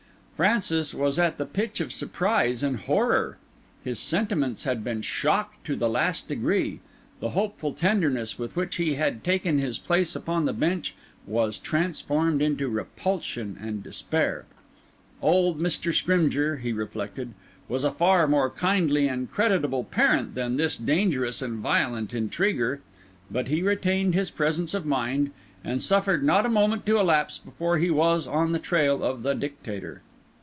Francis was at the pitch of surprise and horror; his sentiments had been shocked to the last degree; the hopeful tenderness with which he had taken his place upon the bench was transformed into repulsion and despair; old Mr. Scrymgeour, he reflected, was a far more kindly and creditable parent than this dangerous and violent intriguer; but he retained his presence of mind, and suffered not a moment to elapse before he was on the trail of the Dictator.